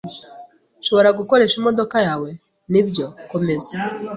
"Nshobora gukoresha imodoka yawe?" "Nibyo. Komeza."